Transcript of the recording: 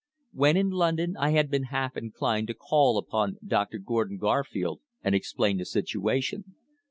When in London I had been half inclined to call upon Doctor Gordon Garfield and explain the situation.